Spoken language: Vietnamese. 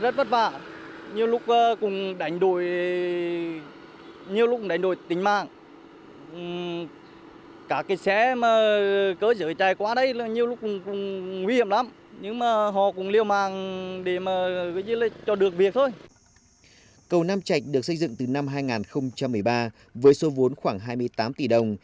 cầu nam trạch được xây dựng từ năm hai nghìn một mươi ba với số vốn khoảng hai mươi tám tỷ đồng